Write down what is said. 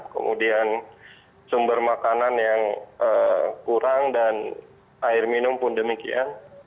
kemudian sumber makanan yang kurang dan air minum pun demikian